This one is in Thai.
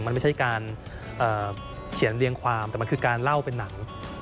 มันไม่ใช่การเขียนเรียงความแต่มันคือการเล่าเป็นหนัง